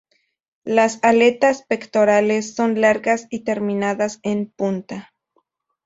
Las aletas pectorales son largas y terminadas en punta.